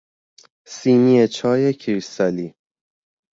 سینی چای کریستالی